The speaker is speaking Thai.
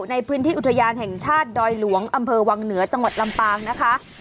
ในพื้นที่อุทยานแห่งชาติดอยหลวงอำเภอวังเหนือจังหวัดลำปางนะคะ